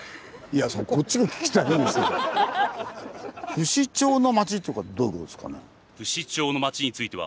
「不死鳥の町」ってどういうことですかね？